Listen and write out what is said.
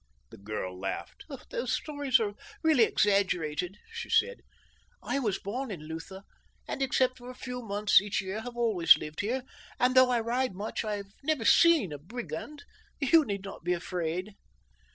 The girl laughed. "Those stories are really exaggerated," she said. "I was born in Lutha, and except for a few months each year have always lived here, and though I ride much I have never seen a brigand. You need not be afraid."